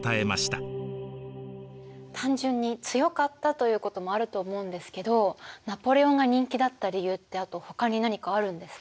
単純に強かったということもあると思うんですけどナポレオンが人気だった理由ってあとほかに何かあるんですか？